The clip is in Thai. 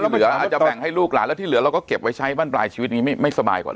เหลืออาจจะแบ่งให้ลูกหลานแล้วที่เหลือเราก็เก็บไว้ใช้บ้านปลายชีวิตนี้ไม่สบายกว่า